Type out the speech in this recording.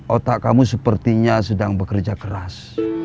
otak kamu sepertinya sedang bekerja keras